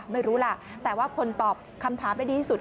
ไม่รู้ล่ะแต่ว่าคนตอบคำถามได้ดีที่สุด